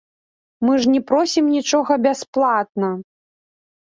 Мы ж не просім нічога бясплатна.